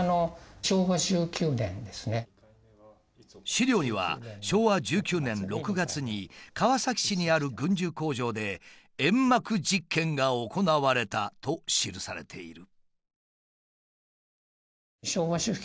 資料には昭和１９年６月に川崎市にある軍需工場で煙幕実験が行われたと記されている。